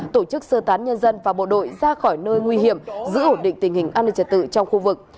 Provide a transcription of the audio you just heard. tổ chức sơ tán nhân dân và bộ đội ra khỏi nơi nguy hiểm giữ ổn định tình hình an ninh trật tự trong khu vực